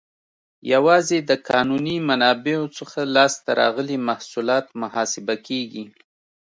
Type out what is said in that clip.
یوازې د قانوني منابعو څخه لاس ته راغلي محصولات محاسبه کیږي.